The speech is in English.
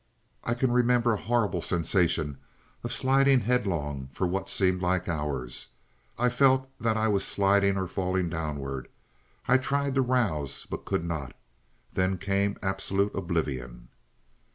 I can remember a horrible sensation of sliding headlong for what seemed like hours. I felt that I was sliding or falling downward. I tried to rouse but could not. Then came absolute oblivion.